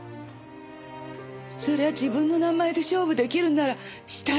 そりゃ自分の名前で勝負出来るんならしたいさ！